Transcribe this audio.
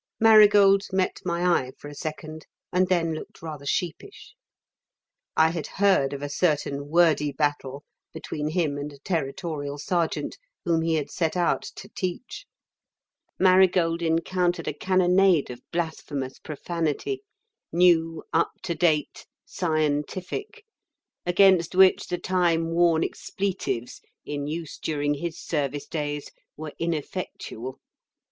Marigold met my eye for a second and then looked rather sheepish. I had heard of a certain wordy battle between him and a Territorial Sergeant whom he had set out to teach. Marigold encountered a cannonade of blasphemous profanity, new, up to date, scientific, against which the time worn expletives in use during his service days were ineffectual.